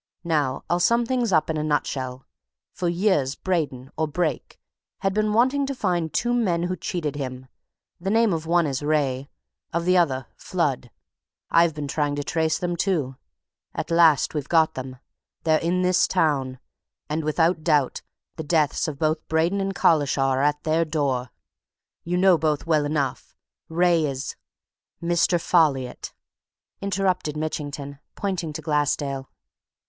Now I'll sum things up in a nutshell: for years Braden, or Brake, had been wanting to find two men who cheated him. The name of one is Wraye, of the other, Flood. I've been trying to trace them, too. At last we've got them. They're in this town, and without doubt the deaths of both Braden and Collishaw are at their door! You know both well enough. Wraye is " "Mr. Folliot!" interrupted Mitchington, pointing to Glassdale.